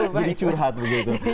jadi curhat begitu